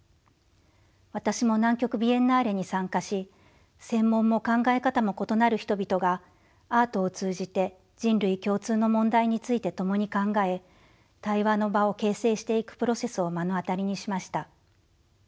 私も南極ビエンナーレに参加し専門も考え方も異なる人々がアートを通じて人類共通の問題について共に考え対話の場を形成していくプロセスを目の当たりにしました。